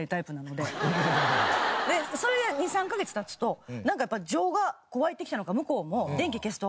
でそれで２３カ月経つとなんかやっぱり情が湧いてきたのか向こうも電気消すと。